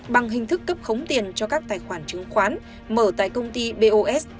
bằng hình thức cấp khống tiền cho các tài khoản chứng khoán mở tại công ty bos